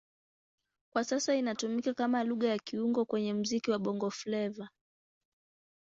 Kwa sasa inatumika kama Lugha ya kiungo kwenye muziki wa Bongo Flava.